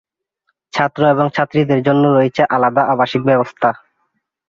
ছাত্র এবং ছাত্রীদের জন্য রয়েছে আলাদা আবাসিক ব্যবস্থা।